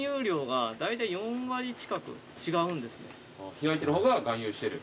開いてる方が含有してる。